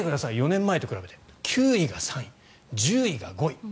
４年前と比べて９位が３位、１０位が５位。